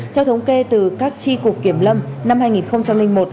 theo thống kê từ các tri cục kiểm lâm năm hai nghìn một